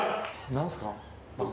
何すか？